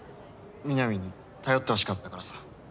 ミナミに頼ってほしかったからさ。